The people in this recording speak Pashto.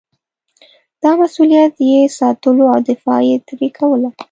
دا مسووليت یې ساتلو او دفاع یې ترې کوله.